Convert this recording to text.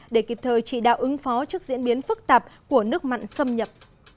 để kịp thời trị đạo ứng phó trước diễn biến phức tạp của nước mặn xâm nhập